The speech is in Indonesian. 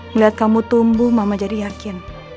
melihat kamu tumbuh mama jadi yakin